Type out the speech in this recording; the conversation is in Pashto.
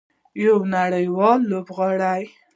یو نړیوال لوبغاړی.